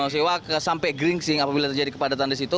sewa sampai gringsing apabila terjadi kepadatan di situ